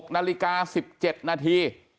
๖นาฬิกา๑๗นาที